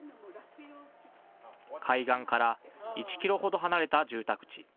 海岸から１キロほど離れた住宅地。